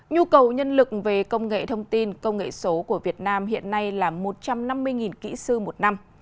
nhu cầu nhân lực về công nghệ thông tin công nghệ số của việt nam hiện nay là một trăm năm mươi kỹ sư một năm